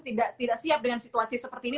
tidak siap dengan situasi seperti ini